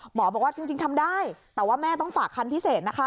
หมอบอกว่าจริงทำได้แต่ว่าแม่ต้องฝากคันพิเศษนะคะ